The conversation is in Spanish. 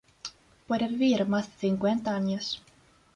Puede vivir más de cincuenta años.